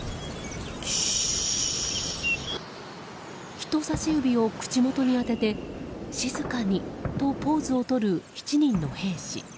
人差し指を口元に当てて静かにとポーズをとる７人の兵士。